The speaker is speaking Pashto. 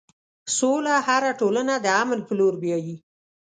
سوله هره ټولنه د امن په لور بیایي.